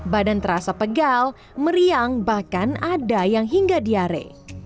badan terasa pegal meriang bahkan ada yang hingga diare